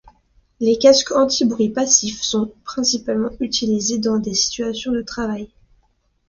Les casques anti-bruits passifs sont principalement utilisés dans des situations de travail.